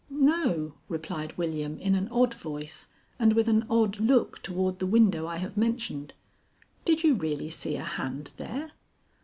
"No," replied William, in an odd voice and with an odd look toward the window I have mentioned. "Did you really see a hand there?"